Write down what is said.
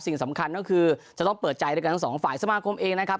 สิ่งสำคัญก็คือจะต้องเปิดใจด้วยกันทั้งสองฝ่ายสมาคมเองนะครับ